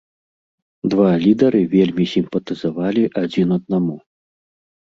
Два лідары вельмі сімпатызавалі адзін аднаму.